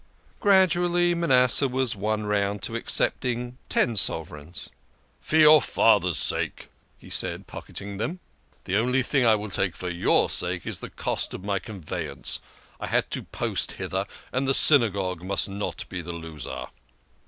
Gradually Manasseh was won round to accepting ten sovereigns. " For your father's sake," he said, pocketing them. " The only thing I will take for your sake is the cost of my con veyance. I had to post hither, and the Synagogue must not be the loser."